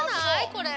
これ。